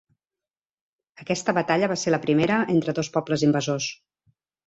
Aquesta batalla va ser la primera entre dos pobles invasors.